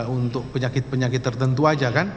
untuk penyakit penyakit tertentu aja kan